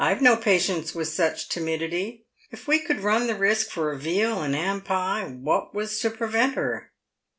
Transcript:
I've no patience with such timidity. If we could run the risk for a veal and 'am pie, what was to prevent her."